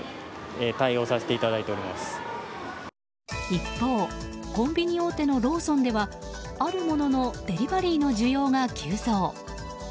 一方コンビニ大手のローソンではあるもののデリバリーの需要が急増。